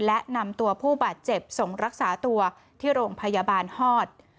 และนำตัวผู้บาดเจ็บส่งรักษาตัวที่โรงพยาบาลฮอด